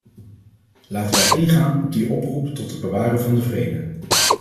Laten wij ingaan op die oproep tot het bewaren van de vrede.